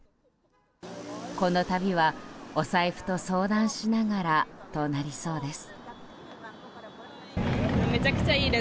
この旅は、お財布と相談しながらとなりそうです。